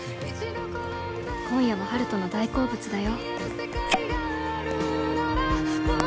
「今夜は温人の大好物だよ」